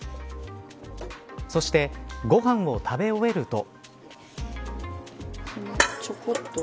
そして、ご飯を食べ終えると。